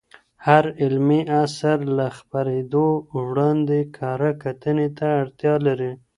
هر علمي اثر له خپریدو وړاندې کره کتنې ته اړتیا لري.